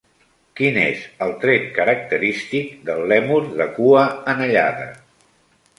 Quin és el tret característic del lèmur de cua anellada?